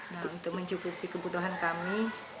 nah untuk mencukupi kebutuhan kami